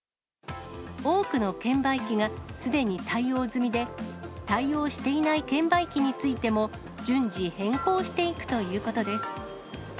多くの券売機がすでに対応済みで、対応していない券売機についても、順次、変更していくということです。